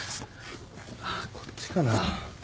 こっちかな。